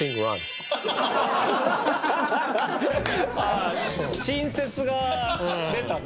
ああ新説が出たね。